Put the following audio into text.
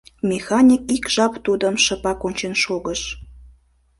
Механик ик жап тудым шыпак ончен шогыш.